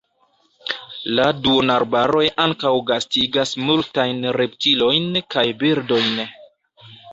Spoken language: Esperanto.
La duonarbaroj ankaŭ gastigas multajn reptiliojn kaj birdojn.